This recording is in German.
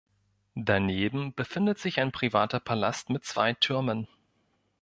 Daneben befindet sich ein privater Palast mit zwei Türmen.